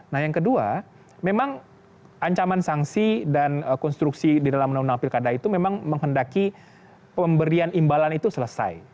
nah yang kedua memang ancaman sanksi dan konstruksi di dalam undang undang pilkada itu memang menghendaki pemberian imbalan itu selesai